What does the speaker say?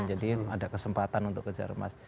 jadi ada kesempatan untuk kejar emas